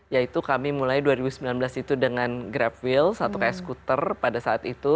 yaitu kami mulai dua ribu sembilan belas itu dengan grab wheel satu kayak skuter pada saat itu